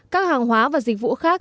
các hàng hóa và dịch vụ khác